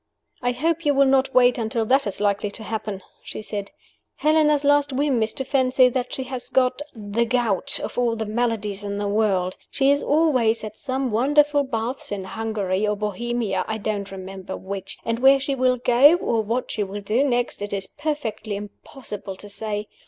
"I hope you will not wait until that is likely to happen," she said. "Helena's last whim is to fancy that she has got the gout, of all the maladies in the world! She is away at some wonderful baths in Hungary or Bohemia (I don't remember which) and where she will go, or what she will do next, it is perfectly impossible to say.